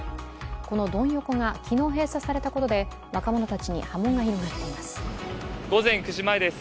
このドン横が昨日閉鎖されたことで、若者たちに波紋が広がっています。